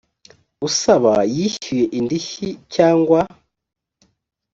usaba yishyuye indishyi cyangwa